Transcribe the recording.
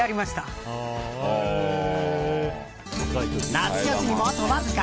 夏休みも、あとわずか！